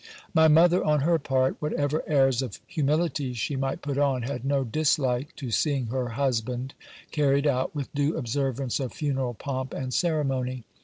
My mother, on her part, whatever airs of humi lity she might put on, had no dislike to seeing her husband carried out with due observance of funeral pomp and ceremony.